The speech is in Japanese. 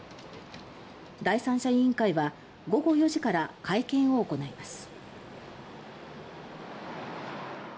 第三者委員会は午後４時から会見を行います。